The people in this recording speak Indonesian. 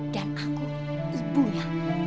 dan aku ibunya